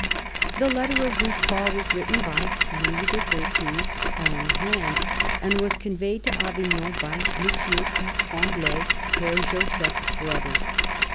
The letter of recall was written by Louis XIII.'s own hand, and was con veyed to Avignon by M. du Tremblay, Pere Joseph's brother.